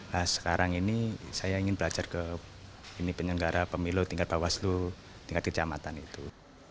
nah sekarang ini saya ingin belajar ke penyelenggara pemilu tingkat bawaslu tingkat kejamatan itu